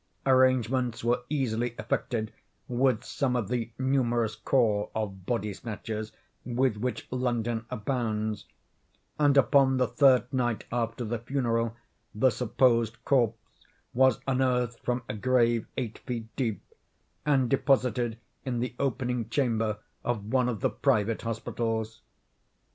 Arrangements were easily effected with some of the numerous corps of body snatchers, with which London abounds; and, upon the third night after the funeral, the supposed corpse was unearthed from a grave eight feet deep, and deposited in the opening chamber of one of the private hospitals.